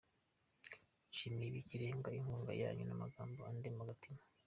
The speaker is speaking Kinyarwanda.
Nishimiye by’ikirenga inkunga yanyu n’amagambo andema agatima.